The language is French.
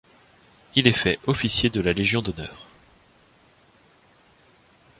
Il est fait officier de la Légion d'Honneur.